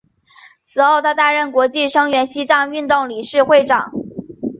此后他担任国际声援西藏运动理事会长。